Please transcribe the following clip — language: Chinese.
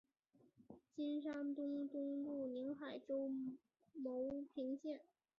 金山东东路宁海州牟平县。